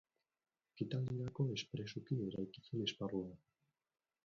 Ekitaldirako espresuki eraiki zen esparru hau.